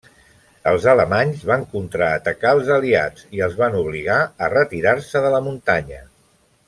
Els alemanys van contraatacar als aliats i els van obligar a retirar-se de la muntanya.